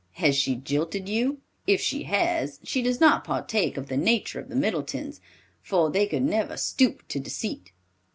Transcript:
Has she jilted you? If she has, she does not partake of the nature of the Middletons, for they could never stoop to deceit."